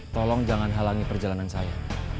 tolong jangan halangi perjalanan saya